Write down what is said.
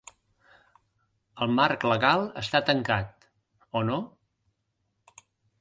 El marc legal està tancat, o no?